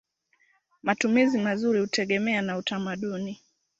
Matumizi mazuri hutegemea na utamaduni.